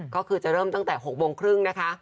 ก็คือจะเริ่มตั้งแต่๖โมงครึ่งนะคะ